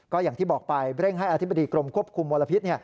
ก็อย่างที่บอกไปเร่งให้อธิบดีกรมควบคุมมลพิษ